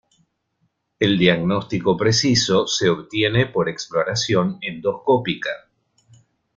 El diagnóstico preciso se obtiene por exploración endoscópica.